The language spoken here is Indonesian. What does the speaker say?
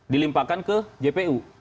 dilimpahkan ke jpu